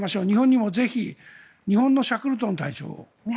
日本にもぜひ日本のシャクルトン隊長。